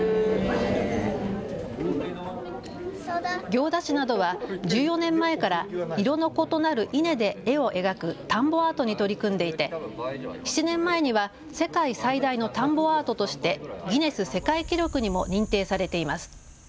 行田市などは１４年前から色の異なる稲で絵を描く田んぼアートに取り組んでいて７年前には世界最大の田んぼアートとしてギネス世界記録にも認定されています。